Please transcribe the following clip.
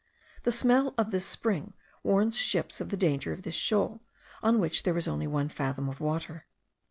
The smell of this spring warns ships of the danger of this shoal, on which there is only one fathom of water.